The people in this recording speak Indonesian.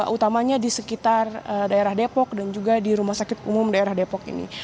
utamanya di sekitar daerah depok dan juga di rumah sakit umum daerah depok ini